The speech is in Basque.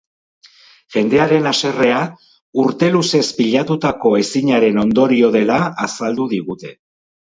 Jendearen haserrea urte luzez pilatutako ezinaren ondorio dela azaldu digute.